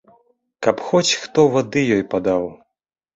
Каб хоць хто вады ёй падаў.